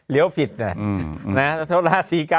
เลี๋ยวผิดนะ